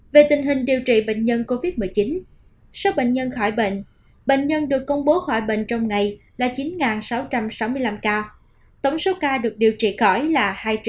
về tình hình điều trị bệnh nhân covid một mươi chín số bệnh nhân khỏi bệnh bệnh nhân được công bố khỏi bệnh trong ngày là chín sáu trăm sáu mươi năm ca tổng số ca được điều trị khỏi là hai một trăm hai mươi hai ba trăm linh